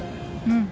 うん。